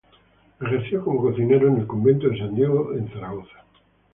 Ejerció como cocinero en el convento de San Diego en Zaragoza.